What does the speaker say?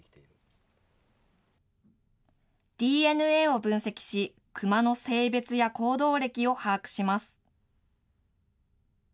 ＤＮＡを分析し、クマの性別や行動歴を把握します。